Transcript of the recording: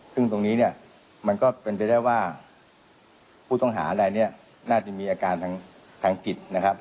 ซึ่งตรงนี้มันก็เป็นไปได้ว่าผู้ต้องหาอะไรน่าจะมีอาการแพงกิจ